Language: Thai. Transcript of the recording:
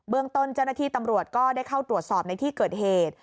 เรื่องต้นเจ้าหน้าที่ตำรวจก็ได้เข้าตรวจสอบในที่เกิดเหตุ